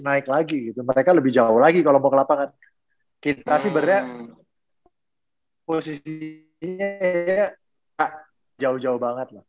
naik lagi mereka lebih jauh lagi kalau mau ke lapangan kita sih berdek posisi jauh jauh banget